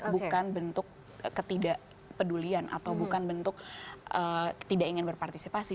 bukan bentuk ketidakpedulian atau bukan bentuk tidak ingin berpartisipasi